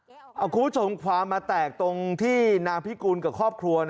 คุณผู้ชมความมาแตกตรงที่นางพิกูลกับครอบครัว